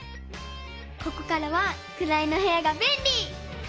ここからは「くらいのへや」がべんり！